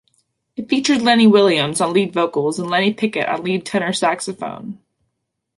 It featured Lenny Williams on lead vocals and Lenny Pickett on lead tenor saxophone.